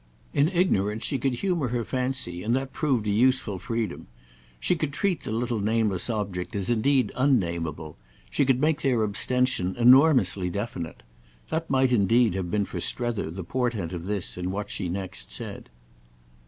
In ignorance she could humour her fancy, and that proved a useful freedom. She could treat the little nameless object as indeed unnameable—she could make their abstention enormously definite. There might indeed have been for Strether the portent of this in what she next said.